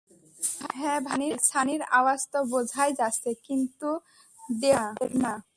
হ্যাঁ ভাই, সানির আওয়াজ তো বোঝাই যাচ্ছে, কিন্তু দেওলের না।